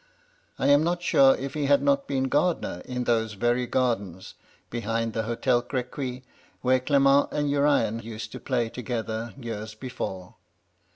I am not sure if he had not been gardener in those very gardens behind the H&tel Crequy where Clement and Urian used to play together years before.